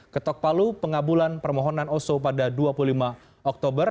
ketok palu pengabulan permohonan oso pada dua puluh lima oktober